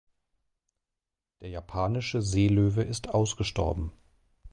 Der Japanische Seelöwe ist ausgestorben.